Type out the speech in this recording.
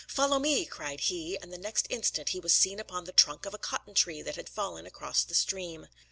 "Follow me," cried he, and the next instant he was seen upon the trunk of a cotton tree that had fallen across the stream.